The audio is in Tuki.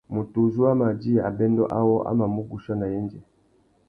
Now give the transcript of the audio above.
Mutu uzu a mà djï abêndô awô a mà mù guchia nà yendzê.